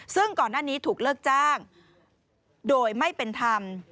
ซึ่งก่อนหน้านี้ถูกเลิกจ้างโดยไม่เป็นธรรม